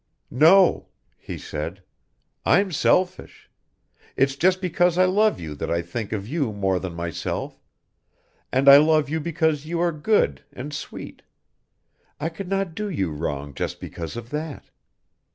"No," he said, "I'm selfish. It's just because I love you that I think of you more than myself, and I love you because you are good and sweet. I could not do you wrong just because of that.